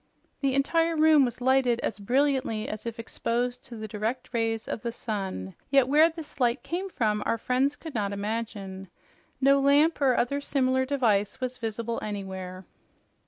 The entire room was lighted as brilliantly as if exposed to the direct rays of the sun, yet where this light came from our friends could not imagine. No lamp or other similar device was visible anywhere.